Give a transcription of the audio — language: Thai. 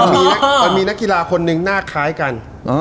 มันมีนักกีฬาคนนึงหน้าคล้ายกัน